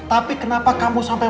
tapi kenapa kamu sampai